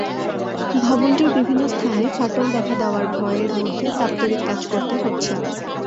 ভবনটির বিভিন্ন স্থানে ফাটল দেখা দেওয়ায় ভয়ের মধ্যে দাপ্তরিক কাজ করতে হচ্ছে।